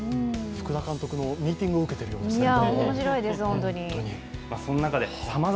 福田監督のミーティングを受けているようですね。